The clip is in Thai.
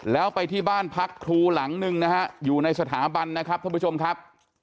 แล้วไปที่บ้านพักครูหลังหนึ่งนะฮะอยู่ในสถาบันนะครับท่านผู้ชมครับ